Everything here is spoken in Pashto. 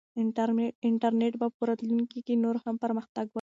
انټرنیټ به په راتلونکي کې نور هم پرمختګ وکړي.